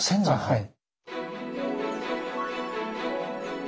はい。